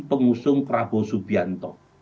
pengusung prabowo subianto